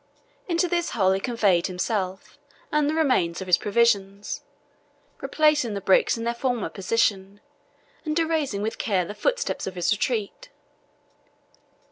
Into this hole he conveyed himself, and the remains of his provisions, replacing the bricks in their former position, and erasing with care the footsteps of his retreat.